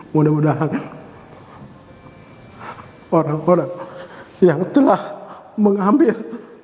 mudah mudahan orang orang yang telah mengambil